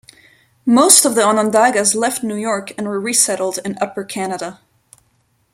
Most of the Onondagas left New York and were resettled in Upper Canada.